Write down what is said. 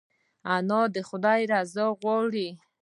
انا د خدای رضا غواړي